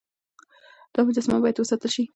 دا مجسمه بايد وساتل شي.